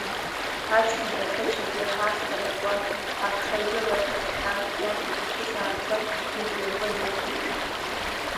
Аҷкәын дахьыцәаз иаҳа ахьҭа дакуан, аԥша илалар ҳәа дшәан, иаб иҭацәыз ааҵәак ижәҩахыр инықәиршәит.